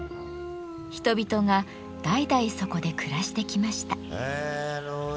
人々が代々そこで暮らしてきました。